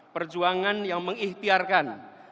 perjuangan yang mengikhtiarkan